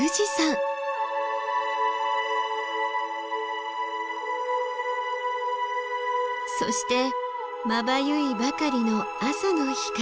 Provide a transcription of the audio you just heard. そしてまばゆいばかりの朝の光。